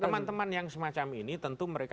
teman teman yang semacam ini tentu mereka